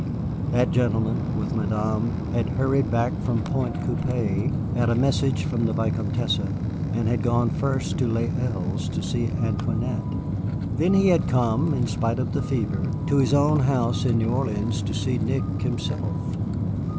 That gentleman, with Madame, had hurried back from Pointe Coupée at a message from the Vicomtesse, and had gone first to Les Îles to see Antoinette. Then he had come, in spite of the fever, to his own house in New Orleans to see Nick himself.